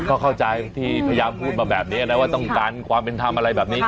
ก็เข้าใจที่พยายามพูดมาแบบนี้นะว่าต้องการความเป็นธรรมอะไรแบบนี้